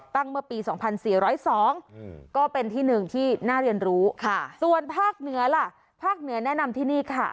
เมื่อปี๒๔๐๒ก็เป็นที่หนึ่งที่น่าเรียนรู้ส่วนภาคเหนือล่ะภาคเหนือแนะนำที่นี่ค่ะ